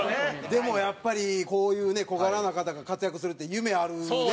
でもやっぱりこういうね小柄な方が活躍するって夢あるね。